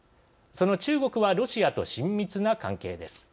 その中国はロシアと親密な関係です。